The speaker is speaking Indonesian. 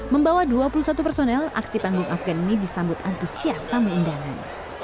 membawa dua puluh satu personel aksi panggung afgan ini disambut antusias tamu undangan